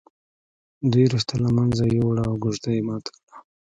دوی رشته له منځه ويوړه او کوژده یې ماته کړه